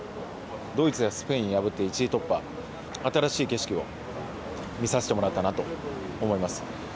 ドイツやスペインを破って１位突破、新しい景色を見させてもらったなと思います。